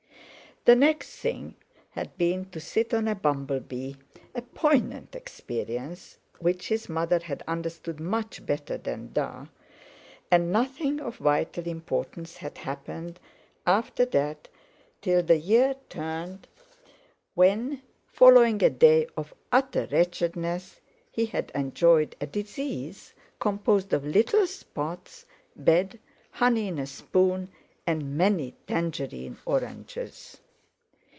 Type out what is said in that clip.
The next thing had been to sit on a bumble bee, a poignant experience, which his mother had understood much better than "Da"; and nothing of vital importance had happened after that till the year turned; when, following a day of utter wretchedness, he had enjoyed a disease composed of little spots, bed, honey in a spoon, and many Tangerine oranges.